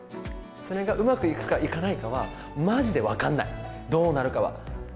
それがうまくいくかいかないかは、まじで分かんない、どうなるかは。